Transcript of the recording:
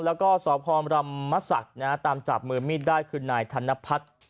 แล้วก็สพรมมศักดิ์ตามจับมือมีดได้คือนายธนพัฒน์